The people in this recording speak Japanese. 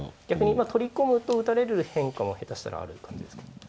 逆に取り込むと打たれる変化も下手したらある感じですか。